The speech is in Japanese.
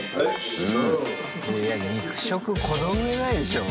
いや肉食このうえないでしょう